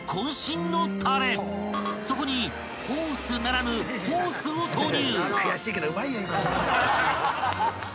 ［そこにフォースならぬホースを投入］